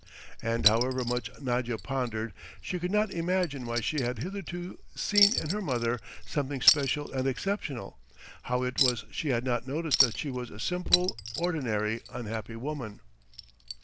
And however much Nadya pondered she could not imagine why she had hitherto seen in her mother something special and exceptional, how it was she had not noticed that she was a simple, ordinary, unhappy woman.